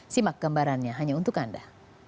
simak gambarannya hanya untuk anda